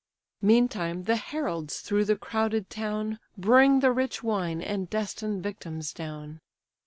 Meantime the heralds, through the crowded town, Bring the rich wine and destined victims down.